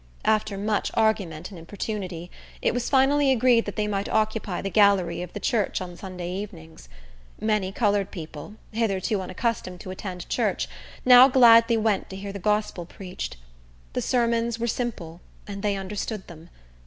After much argument and importunity, it was finally agreed that they might occupy the gallery of the church on Sunday evenings. Many colored people, hitherto unaccustomed to attend church, now gladly went to hear the gospel preached. The sermons were simple, and they understood them.